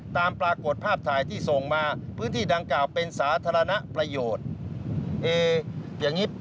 ตามปรากฏภาพถ่ายที่ส่งมาพื้นที่ดังกล่าวเป็นสาธารณะประโยชน์